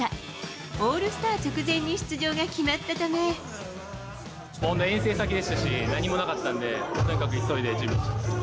オールスター直前に出場が決まっ遠征先でしたし、何もなかったんで、とにかく急いで準備しました。